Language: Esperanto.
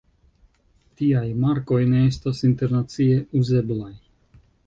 Tiaj markoj ne estas internacie uzeblaj.